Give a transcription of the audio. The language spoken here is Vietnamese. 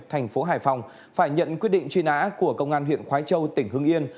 thành phố hải phòng phải nhận quyết định truy nã của công an huyện khói châu tỉnh hưng yên